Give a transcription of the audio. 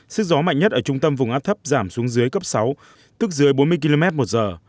sức gió mạnh nhất ở trung tâm vùng áp thấp giảm xuống dưới cấp sáu tức dưới bốn mươi km một giờ